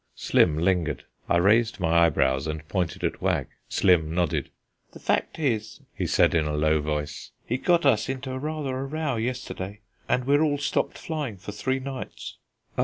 Slim lingered. I raised my eyebrows and pointed at Wag. Slim nodded. "The fact is," he said in a low voice, "he got us into rather a row yesterday and we're all stopped flying for three nights."